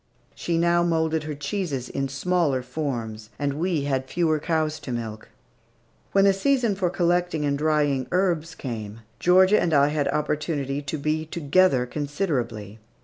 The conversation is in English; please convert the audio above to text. She now moulded her cheeses in smaller forms, and we had fewer cows to milk. When the season for collecting and drying herbs came, Georgia and I had opportunity to be together considerably.